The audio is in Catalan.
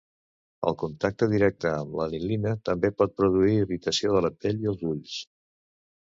El contacte directe amb l'anilina també pot produir irritació de la pell i els ulls.